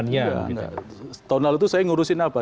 tahun lalu itu saya ngurusin apa